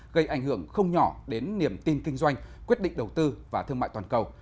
gây ảnh hưởng không nhỏ đến niềm tin kinh doanh quyết định đầu tư và thương mại toàn cầu